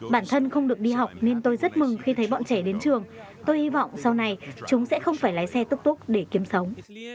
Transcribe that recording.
bản thân không được đi học nên tôi rất mừng khi thấy bọn trẻ đến trường tôi hy vọng sau này chúng sẽ không phải lái xe túc túc để kiếm sống